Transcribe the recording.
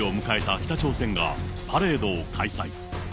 北朝鮮がパレードを開催。